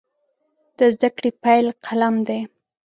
د زده کړې پیل قلم دی.